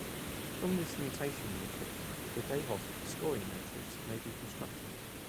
From this mutation matrix, a Dayhoff scoring matrix may be constructed.